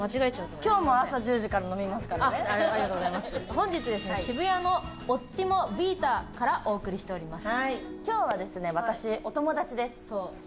本日、渋谷のオッティモヴィータからお送りしています。